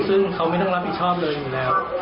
ซึ่งเขาไม่ต้องรับผิดชอบเลยอยู่แล้ว